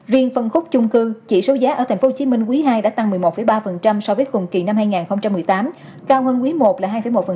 riêng phân khúc chung cư chỉ số giá ở tp hcm quý ii đã tăng một mươi một ba so với cùng kỳ năm hai nghìn một mươi tám cao hơn quý i là hai một